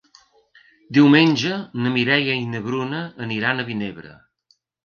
Diumenge na Mireia i na Bruna aniran a Vinebre.